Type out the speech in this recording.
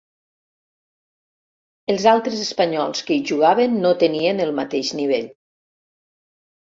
Els altres espanyols que hi jugaven no tenien el mateix nivell.